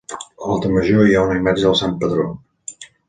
A l'altar major hi ha una imatge del Sant patró.